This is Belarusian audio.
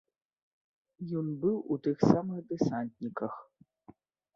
Ён быў у тых самых дэсантніках.